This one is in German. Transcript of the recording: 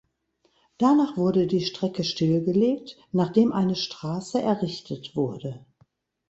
Danach wurde die Strecke stillgelegt, nachdem eine Straße errichtet wurde.